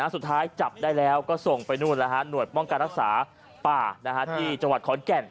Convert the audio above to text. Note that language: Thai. สุดท้ายจับได้แล้วก็ส่งไปนู่นหน่วยป้องการรักษาป่าที่จังหวัดขอนแก่น